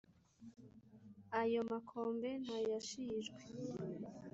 Ayo makombe nta yashishwe;